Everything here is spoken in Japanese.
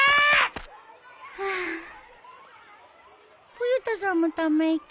冬田さんもため息？